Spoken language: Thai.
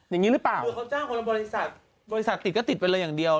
อย่างงี้หรือเปล่าบริษัทติดก็ติดไปเลยอย่างเดียว